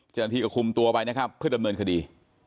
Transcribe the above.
เจ้าหน้าที่ก็คุมตัวไปนะครับเพื่อดำเนินคดี